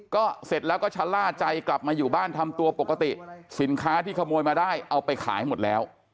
ก็เสร็จแล้วก็ชะล่าใจกลับมาอยู่บ้านทำตัวปกติสินค้าที่ขโมยมาได้เอาไปขายหมดแล้ว